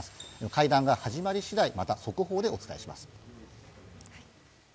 会談が始まり次第また速報でお伝えします。